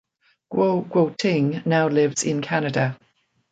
Guo Guoting now lives in Canada.